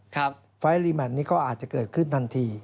ไฟล์รีแมทนี้ก็อาจจะเกิดขึ้นทันที